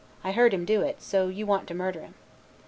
I heard him do it, so you want to murder him."